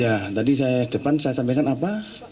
ya tadi saya depan saya sampaikan apa